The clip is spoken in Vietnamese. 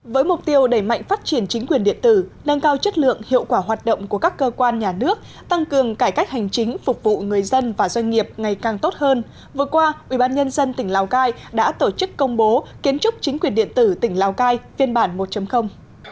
với mục tiêu đẩy mạnh phát triển chính quyền điện tử nâng cao chất lượng hiệu quả hoạt động của các cơ quan nhà nước tăng cường cải cách hành chính phục vụ người dân và doanh nghiệp ngày càng tốt hơn vừa qua ubnd tỉnh lào cai đã tổ chức công bố kiến trúc chính quyền điện tử tỉnh lào cai phiên bản một